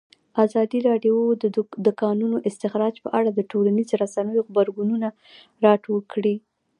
ازادي راډیو د د کانونو استخراج په اړه د ټولنیزو رسنیو غبرګونونه راټول کړي.